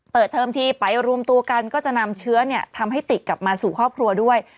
เปิดเทอมที่ปายอารมณ์ตัวกันก็จะนำเชื้อเนี่ยทำให้ติดกลับมาสู่ครอบครัวด้วย